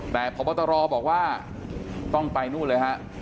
แต่พบตรบอกว่าต้องไปนู่นเลยฮะ